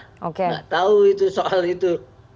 tidak tahu soal itu